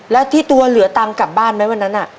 แล้วที่ตัวเหลือตังค์กลับบ้านไหมวันนั้น